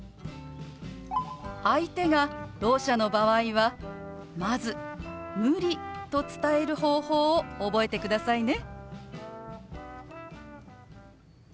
相手がろう者の場合はまず「無理」と伝える方法を覚えてくださいね。